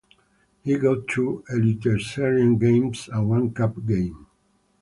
He got two Eliteserien games and one cup game.